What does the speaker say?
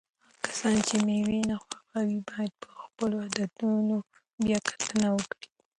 هغه کسان چې مېوې نه خوښوي باید په خپلو عادتونو بیا کتنه وکړي.